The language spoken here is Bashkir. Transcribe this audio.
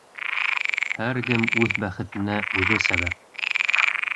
Һәр кем үҙ бәхетенә үҙе сәбәп.